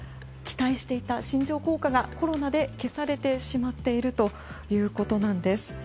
期待していた新庄効果がコロナで消されてしまっているということなんです。